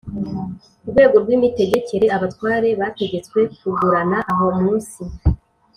rwego rw imitegekere Abatware bategetswe kugurana aho munsi